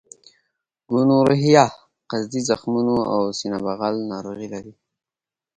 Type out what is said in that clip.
ګونورهیا قصدي زخمونو او سینه بغل ناروغۍ لري.